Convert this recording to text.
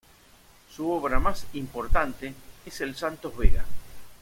Su obra más importante, es el "Santos Vega".